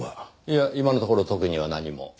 いや今のところ特には何も。